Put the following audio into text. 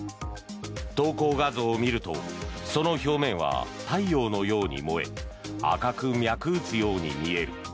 投稿画像を見るとその表面は太陽のように燃え赤く脈打つように見える。